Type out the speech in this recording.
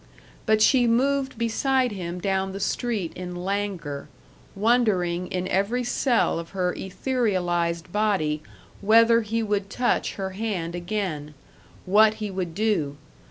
But she moved beside him down the street in languor, wondering in every cell of her etherealized body whether he would touch her hand again; what he would do.